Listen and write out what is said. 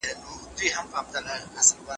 هر سهار په نوي امېد سره خپل ورځنی کار پیل کړئ.